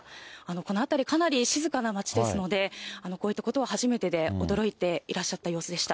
この辺り、かなり静かな町ですので、こういったことは初めてで驚いていた様子でした。